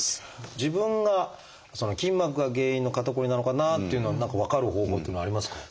自分が筋膜が原因の肩こりなのかなっていうのは何か分かる方法っていうのはありますか？